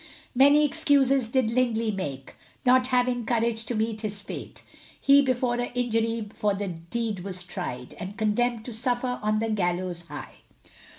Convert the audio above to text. Many excuses did Lingley make, Not having courage to meet his fate; He before a jury for the deed was tried, And condemned to suffer on the gallows high.